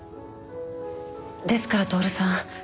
ですから享さん